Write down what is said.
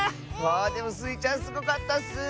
あでもスイちゃんすごかったッス！